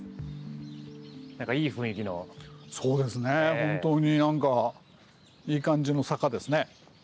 本当に何かいい感じの坂ですね。